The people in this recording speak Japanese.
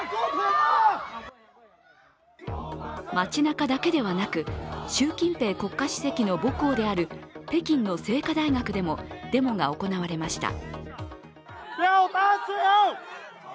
街なかだけではなく、習近平国家主席の母校である北京の清華大学でもデモが行われました。